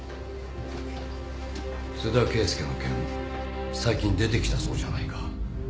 ・津田圭祐の件最近出てきたそうじゃないか